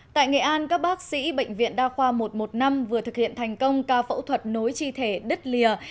tại nghệ an các bác sĩ bệnh viện đa khoa một trăm một mươi năm vừa thực hiện thành công ca phẫu thuật nối chi thể đứt lìa